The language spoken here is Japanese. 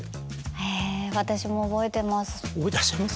へぇ私も覚えてます。